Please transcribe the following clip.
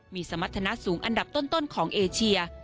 มีสมรรถนะสูงอันดับต้นของเอเชีย